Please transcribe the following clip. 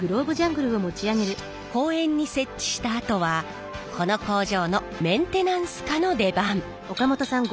公園に設置したあとはこの工場のメンテナンス課の出番。